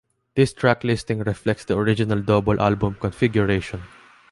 This track listing reflects the original double album configuration.